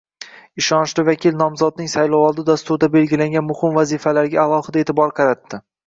Ishonchli vakil nomzodning Saylovoldi dasturida belgilangan muhim vazifalarga alohida e’tibor qaratdi